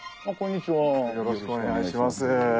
よろしくお願いします。